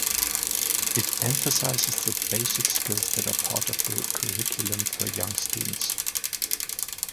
It emphasizes the basic skills that are part of the curriculum for young students.